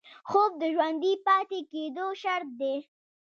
خوب د ژوندي پاتې کېدو شرط دی